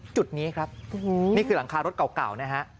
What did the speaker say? จุดนี้ครับนี่คือหลังคารถเก่านะฮะ